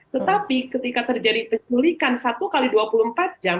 tetapi ketika terjadi penculikan satu x dua puluh empat jam